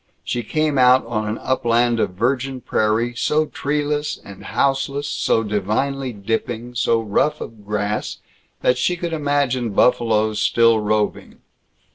She came out on an upland of virgin prairie, so treeless and houseless, so divinely dipping, so rough of grass, that she could imagine buffaloes still roving.